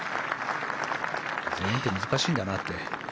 全英って難しいんだなって。